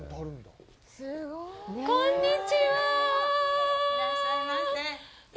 こんにちは。